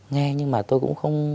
nghe nhưng mà tôi cũng không